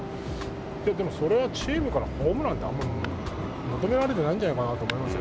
でもそれはチームからホームランって求められてないんじゃないかなと思いますよ。